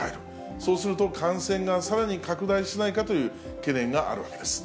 そうすると感染がさらに拡大しないかという懸念があるわけです。